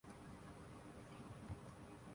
وہی اس کے مسائل۔